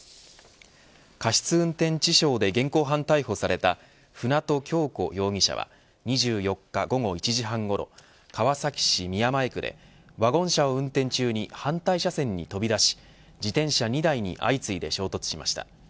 過失運転致傷で現行犯逮捕された舟渡今日子容疑者は２４日午後１時半ごろ川崎市宮前区でワゴン車を運転中に反対車線に飛び出し自転車２台に相次いで衝突しました。